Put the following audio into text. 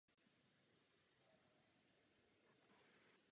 Píše též divadelní hry a poezii.